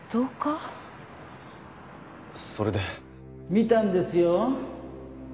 見たんですよ